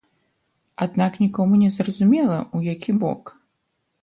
Аднак нікому не зразумела, у які бок.